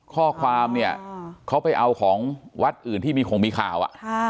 ข้อความเนี่ยเขาไปเอาของวัดอื่นที่มีคงมีข่าว